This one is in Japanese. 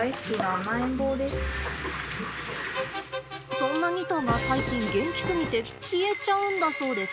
そんな２頭が最近元気過ぎて消えちゃうんだそうです。